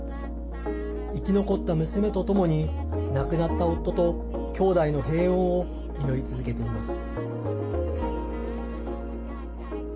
生き残った娘とともに亡くなった夫と兄弟の平穏を祈り続けています。